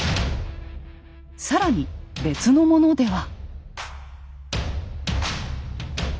更に別のものでは。